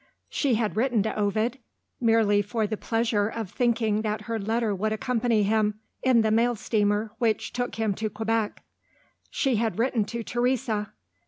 She had written to Ovid merely for the pleasure of thinking that her letter would accompany him, in the mail steamer which took him to Quebec. She had written to Teresa.